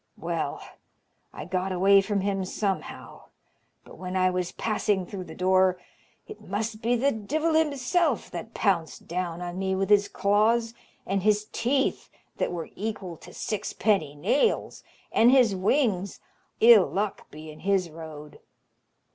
Well, I got away from him somehow, but when I was passing through the door, it must be the divil himself that pounced down on me with his claws, and his teeth, that were equal to sixpenny nails, and his wings ill luck be in his road!